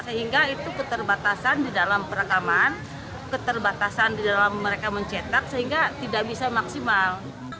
sehingga itu keterbatasan di dalam perekaman keterbatasan di dalam mereka mencetak sehingga tidak bisa maksimal